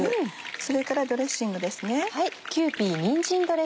それからドレッシングですね。